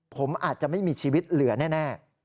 ผมอาจจะไม่มีชีวิตเหลือแน่